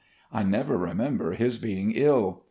I never remember his being ill.